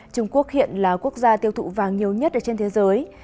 trung quốc hiện là quốc gia tiêu thụ vàng nhiều nhất trên thế giới